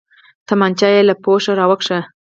تمانچه يې له پوښه راوکښ.